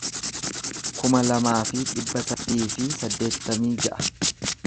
kuma lamaa fi dhibba sadii fi saddeettamii ja'a